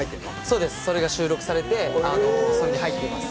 そうですそれが収録されて入っています。